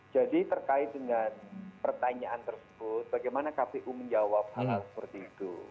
jadi terkait dengan pertanyaan tersebut bagaimana kpu menjawab hal hal seperti itu